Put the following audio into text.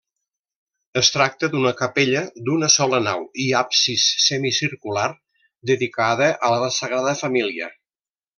Es tracta d'una Capella d'una sola nau i absis semicircular, dedicada a la Sagrada Família.